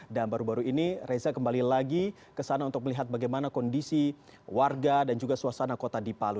baru baru ini reza kembali lagi ke sana untuk melihat bagaimana kondisi warga dan juga suasana kota di palu